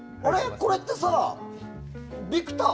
これってさ、ビクター？